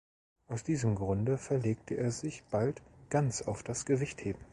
Aus diesem Grunde verlegte er sich bald ganz auf das Gewichtheben.